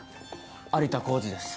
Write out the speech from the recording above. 有田浩次です。